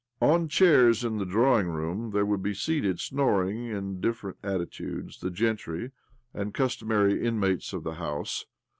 On chairs in the drawing room there would be seated snoring, in different atti tudes, the gentry and customary intimates of the house.